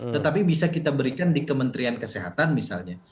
tetapi bisa kita berikan di kementerian kesehatan misalnya